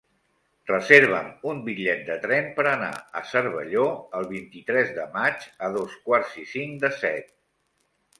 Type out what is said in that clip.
Reserva'm un bitllet de tren per anar a Cervelló el vint-i-tres de maig a dos quarts i cinc de set.